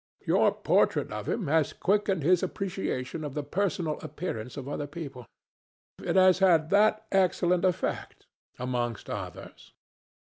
Your portrait of him has quickened his appreciation of the personal appearance of other people. It has had that excellent effect, amongst others.